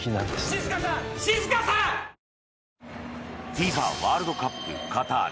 ＦＩＦＡワールドカップカタール。